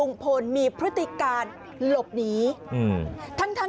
ก็ตอบได้คำเดียวนะครับ